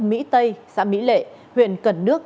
mỹ tây xã mỹ lệ huyện cần nước